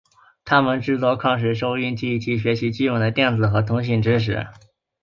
他们制作矿石收音机以学习基本的电子和通信知识。